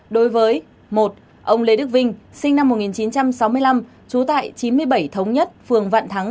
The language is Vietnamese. đối với một ông lê đức vinh sinh năm một nghìn chín trăm sáu mươi năm trú tại chín mươi bảy thống nhất phường vạn thắng